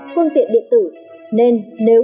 phương tiện điện tử nên nếu